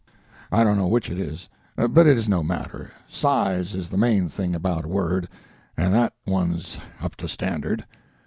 I don't know which it is. But it is no matter; size is the main thing about a word, and that one's up to standard.